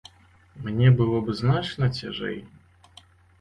Мне было б значна цяжэй.